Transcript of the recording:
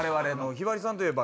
ひばりさんといえば。